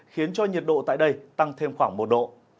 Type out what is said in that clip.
khiến cho nhiệt độ tại đây tăng thêm khoảng một độ